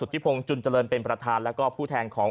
ที่พงศ์จุนเจริญเป็นประธานแล้วก็ผู้แทนของ